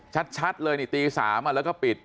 ชัดเลยนี่ตี๓แล้วก็ปิด